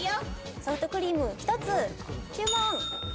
ソフトクリーム１つ、注文。